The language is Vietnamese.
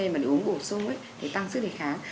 để uống bổ sung để tăng sức đề kháng